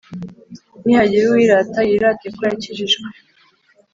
Nihagira uwirata yirate ko yakijijwe